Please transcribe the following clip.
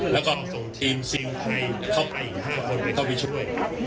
แล้วก็ส่งทีมซิลให้เข้าไป๕คนเข้าไปช่วย